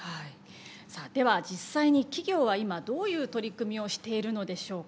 さあでは実際に企業は今どういう取り組みをしているのでしょうか。